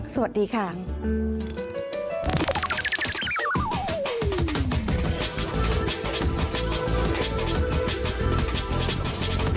สวัสดีค่ะดูก่อนร้อนหนาวกับดิฉันดาวสุภาษาลา